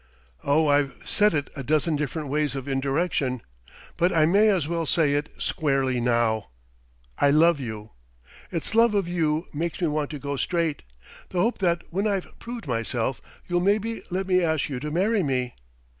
Oh, I've said it a dozen different ways of indirection, but I may as well say it squarely now: I love you; it's love of you makes me want to go straight the hope that when I've proved myself you'll maybe let me ask you to marry me....